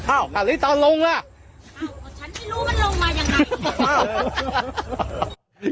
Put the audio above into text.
อ้าวหลังนี้ตอนลงล่ะอ้าวก็ฉันไม่รู้มันลงมายังไง